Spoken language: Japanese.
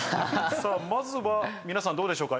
さぁまずは皆さんどうでしょうか。